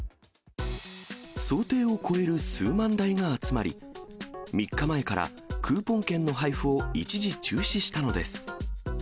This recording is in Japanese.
想定を超える数万台が集まり、３日前からクーポン券の配布を一時中止したのです。